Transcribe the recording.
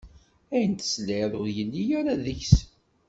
Ayen tesliḍ ur yelli ara deg-s!